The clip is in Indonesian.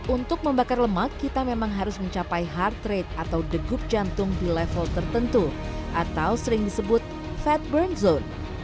untuk membakar lemak kita memang harus mencapai heart rate atau degup jantung di level tertentu atau sering disebut fatborn zone